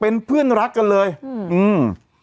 เป็นเพื่อนรักกันเลยอืมอืม